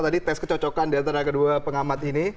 tadi tes kecocokan di antara kedua pengamat ini